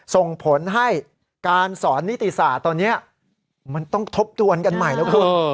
ส่งผลให้การสอนนิติศาสตร์ตอนนี้มันต้องทบทวนกันใหม่แล้วคุณ